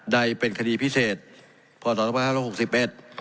ได้เป็นคดีพิเศษพตป๕๖๑